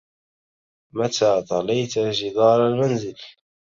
متى طليت جدار المنزل؟